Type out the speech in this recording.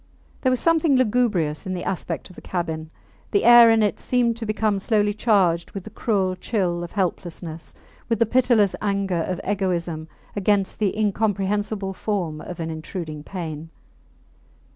There was something lugubrious in the aspect of the cabin; the air in it seemed to become slowly charged with the cruel chill of helplessness, with the pitiless anger of egoism against the incomprehensible form of an intruding pain.